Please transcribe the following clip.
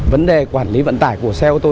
vấn đề quản lý vận tải của xe ô tô